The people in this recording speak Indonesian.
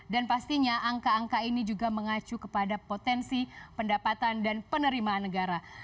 dan pastinya angka angka ini juga mengacu kepada potensi pendapatan dan penerimaan negara